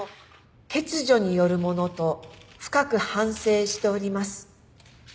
欠如によるものと深く反省しております。